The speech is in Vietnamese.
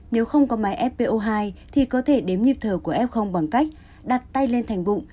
nếu không có máy ép po hai thì có thể đếm nhịp thở của ép không bằng cách đặt tay lên thành bụng